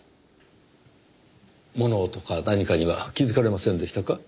物音か何かには気づかれませんでしたか？